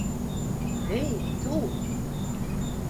Ei, tu!